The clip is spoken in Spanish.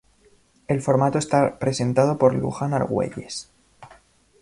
El formato está presentado por Luján Argüelles.